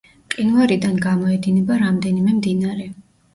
მყინვარიდან გამოედინება რამდენიმე მდინარე.